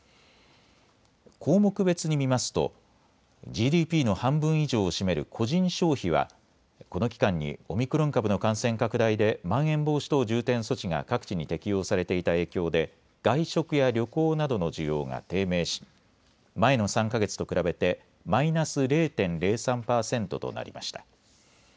項目別に見ますとＧＤＰの半分以上を占める個人消費はこの期間にオミクロン株の感染拡大でまん延防止等重点措置が各地に適用されていた影響で外食や旅行などの需要が低迷し前の３か月と比べてマイナス０．０３％となりました。